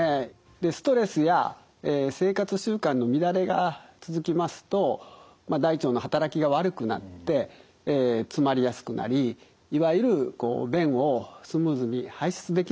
ストレスやえ生活習慣の乱れが続きますとまあ大腸の働きが悪くなってえ詰まりやすくなりいわゆるこう便をスムーズに排出できなくなってきます。